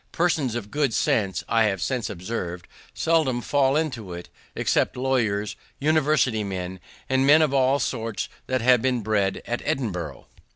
Persons of good sense, I have since observed, seldom fall into it, except lawyers, university men, and men of all sorts that have been bred at Edinborough.